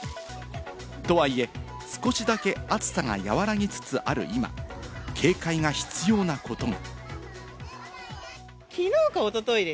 とはいえ、少しだけ暑さが和らぎつつある今、警戒が必要なことが。